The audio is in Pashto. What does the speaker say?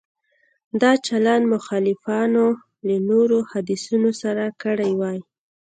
دا چلند مخالفانو له نورو حدیثونو سره کړی وای.